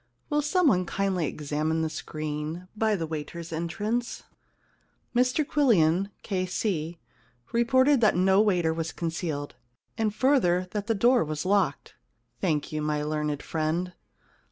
Will somebody kindly examine the screen by the waiters* entrance ?* Mr Quillian, K.C., reported that no waiter was concealed, and further that the door was locked. * Thank you, my learned friend.